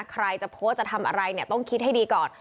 ใครจะโพสต์จะทำอะไรเนี่ยต้องคิดให้ดีก่อน